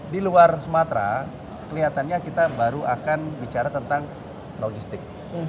di luar sumatera kelihatannya kita baru akan bicara tentang logistik